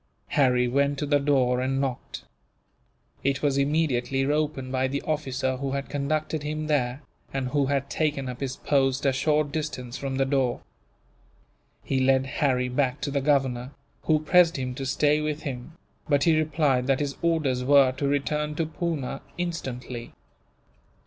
Harry went to the door, and knocked. It was immediately opened by the officer who had conducted him there, and who had taken up his post a short distance from the door. He led Harry back to the governor, who pressed him to stay with him; but he replied that his orders were to return to Poona, instantly.